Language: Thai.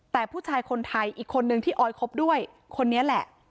แต่ผู้ชายคนไทยอีกคนนึงที่ออยคบด้วยคนนี้แหละ